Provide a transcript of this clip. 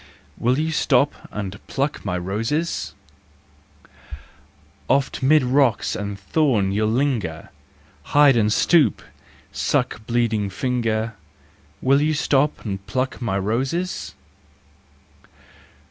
Will you stop and pluck my roses ? Oft mid rocks and thorns you'll linger, Hide and stoop, suck bleeding finger— Will you stop and pluck my roses